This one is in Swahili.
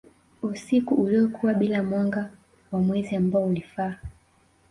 usiku uliokuwa bila mwanga wa mwezi ambao ulifaa